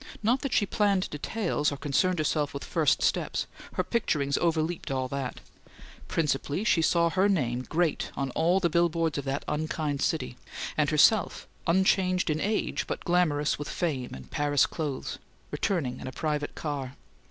Not that she planned details, or concerned herself with first steps; her picturings overleaped all that. Principally, she saw her name great on all the bill boards of that unkind city, and herself, unchanged in age but glamorous with fame and Paris clothes, returning in a private car.